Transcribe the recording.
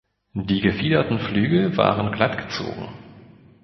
Die gefiederten Flügel waren glatt gezogen.